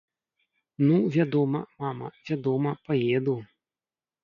Ну вядома, мама, вядома, паеду.